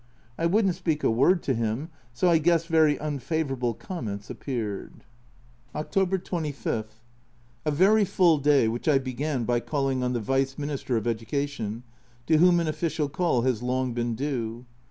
I wouldn't speak a 60 A Journal from Japan word to him, so I guess very unfavourable comments appeared. October 25. A very full day, which I began by calling on the Vice Minister of Education, to whom an official call has long been due.